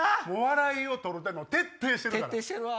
笑いを取るの徹底してるから。